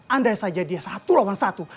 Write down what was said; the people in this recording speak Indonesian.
andai saja dia satu lawan satu